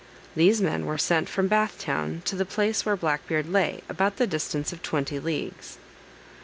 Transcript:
These men were sent from Bath town to the place where Black Beard lay, about the distance of twenty leagues.